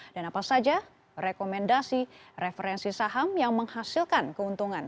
dan apa saja rekomendasi referensi saham yang menghasilkan keuntungan